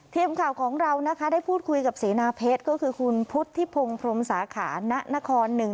ทีมข่าวของเรานะคะได้พูดคุยกับเสนาเพชรก็คือคุณพุทธิพงศ์พรมสาขาณนครหนึ่ง